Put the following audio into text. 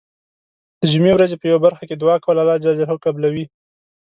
د جمعې ورځې په یو برخه کې دعا کول الله ج قبلوی .